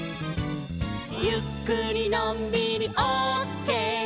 「ゆっくりのんびりオッケー」